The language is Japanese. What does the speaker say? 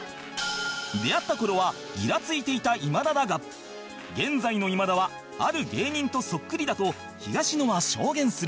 出会った頃はギラついていた今田だが現在の今田はある芸人とそっくりだと東野は証言する